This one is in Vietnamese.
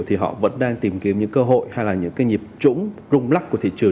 thì họ vẫn đang tìm kiếm những cơ hội hay là những cái nhịp trũng rung lắc của thị trường